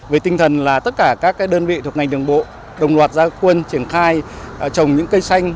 với tinh thần là tất cả các đơn vị thuộc ngành đường bộ đồng loạt gia quân triển khai trồng những cây xanh